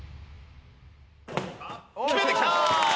決めてきた！